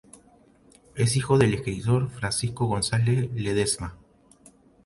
Es hijo del escritor Francisco González Ledesma.